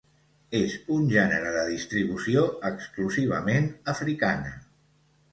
És un gènere de distribució exclusivament africana.